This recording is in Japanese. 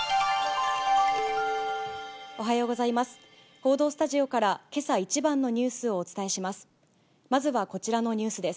報道スタジオから、けさ一番のニュースをお伝えします。